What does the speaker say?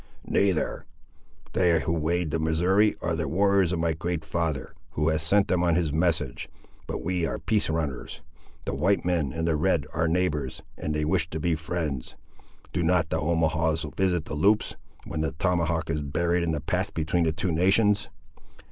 '" "Neither. They, who wade the Missouri, are the warriors of my great father, who has sent them on his message; but we are peace runners. The white men and the red are neighbours, and they wish to be friends.—Do not the Omahaws visit the Loups, when the tomahawk is buried in the path between the two nations?"